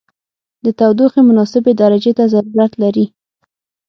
د تودوخې مناسبې درجې ته ضرورت لري.